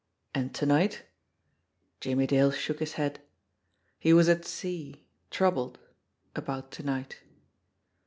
And to night ? Jimmie Dale shook his head. He was at sea, troubled about to night.